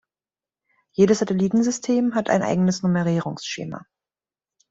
Jedes Satellitensystem hat ein eigenes Nummerierungsschema.